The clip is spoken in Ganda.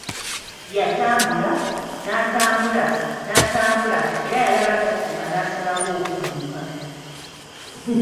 Yatambula, n’atambula, n’atambula era yalaba tatuuka n’asalawo okudduka.